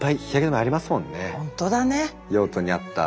本当だね。